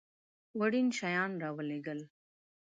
وړین شیان را ولېږل.